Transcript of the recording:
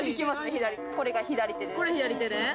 左これが左手です